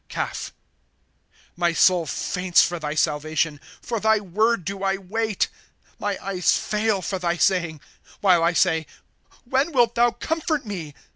Caph. ' My soul faints for thy salvation ; For thy word do I wait. ' My eyes fail for thy saying, While I say : When wilt thou comfort me